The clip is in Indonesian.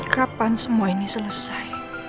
kapan semua ini selesai